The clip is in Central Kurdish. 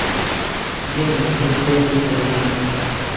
گیانە، وەک جاری جاران